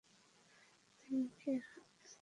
তিনি কি এতটা শক্তিশালী?